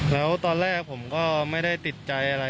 แล้วตอนแรกผมก็ไม่ได้ติดใจอะไร